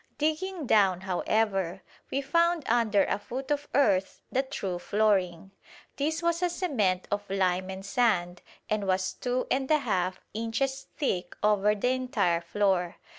Digging down, however, we found under a foot of earth the true flooring. This was a cement of lime and sand, and was two and a half inches thick over the entire floor.